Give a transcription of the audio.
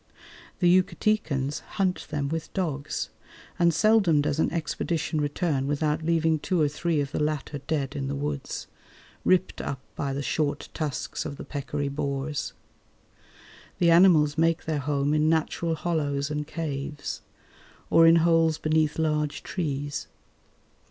The Yucatecans hunt them with dogs, and seldom does an expedition return without leaving two or three of the latter dead in the woods, ripped up by the short tusks of the peccary boars. The animals make their home in natural hollows and caves, or in holes beneath large trees.